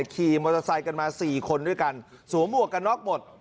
ขี่มอเตอร์ไซค์กันมา๔คนด้วยกันสวมหมวกกันน็อกหมด